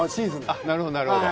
あっなるほどなるほど。